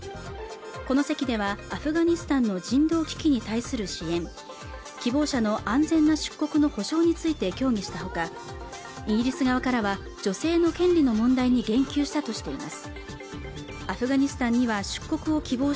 この席ではアフガニスタンの人道危機に対する支援希望者の安全な出国の保証について協議したほかイギリス側からは女性の権利の問題に言及したとしています